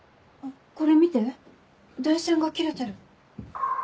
これ見て電線が切れてる。